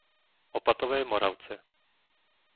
Opatové Moravce